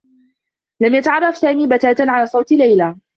لم يتعرّف سامي بتاتا على صوت ليلى.